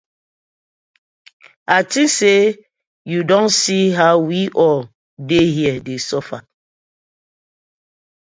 I tink say yu don see how we all dey here dey suffer.